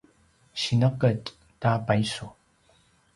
sineqetj ta paisu